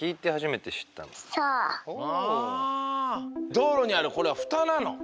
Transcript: どうろにあるこれはふたなの。